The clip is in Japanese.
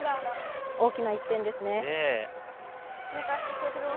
大きな１点ですね。